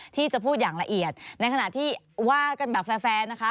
ที่จะพูดอย่างละเอียดในขณะที่ว่ากันแบบแฟร์นะคะ